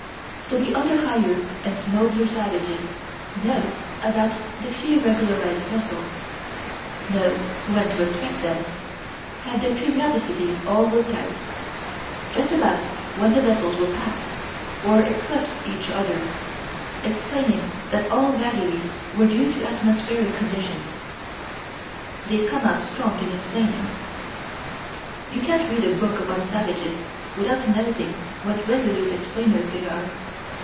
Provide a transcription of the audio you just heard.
So the other higher and nobler savages know about the few regularized vessels: know when to expect them; have their periodicities all worked out; just about when vessels will pass, or eclipse each other explaining that all vagaries were due to atmospheric conditions. They'd come out strong in explaining. You can't read a book upon savages without noting what resolute explainers they are.